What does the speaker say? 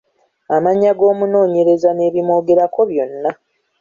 Amannya g’omunoonyereza n’ebimwogerako byonna.